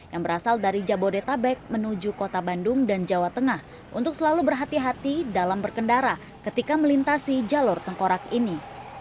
yang berasal dari jabodetabek menuju kota bandung dan jawa tengah untuk selalu berhati hati dalam berkendara ketika melintasi jalur tengkorak ini